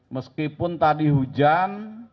meskipun tadi hujan